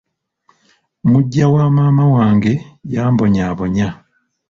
Muggya wamaama wange yambonyaabonya.